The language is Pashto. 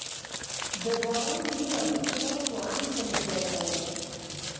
د باران دې وړوکو څاڅکو هم څه نه شوای کولای.